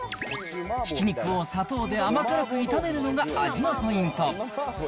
ひき肉を砂糖で甘辛く炒めるのが味のポイント。